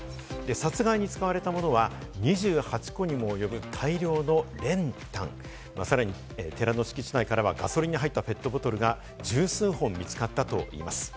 殺害に使われたものは２８個にも及ぶ大量の練炭、さらに寺の敷地内からはガソリンの入ったペットボトルが十数本見つかったといいます。